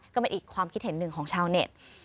ก็เป็นอีกความคิดเห็นหนึ่งของชาวเน็ต